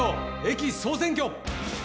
駅総選挙』！